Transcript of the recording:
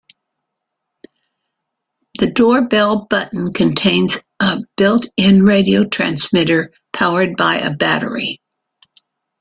The doorbell button contains a built-in radio transmitter powered by a battery.